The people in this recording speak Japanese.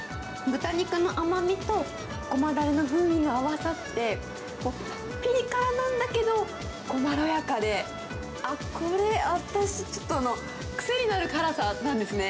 豚肉の甘みと、ゴマだれの風味が合わさって、ぴり辛なんだけど、まろやかで、あっ、これ、私ちょっと、癖になる辛さなんですね。